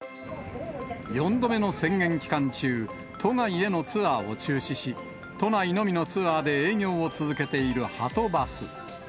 ４度目の宣言期間中、都外へのツアーを中止し、都内のみのツアーで営業を続けているはとバス。